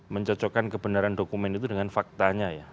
mencocokkan kebenaran dokumen itu dengan faktanya ya